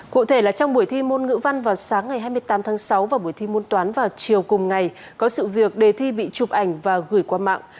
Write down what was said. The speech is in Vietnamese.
cụ thể là trong buổi thi môn ngữ văn vào sáng ngày hai mươi tám tháng sáu và buổi thi môn toán vào chiều cùng ngày có sự việc đề thi bị chụp ảnh và gửi qua mạng